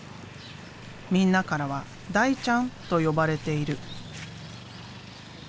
みんなからは「大ちゃん」と呼ばれている。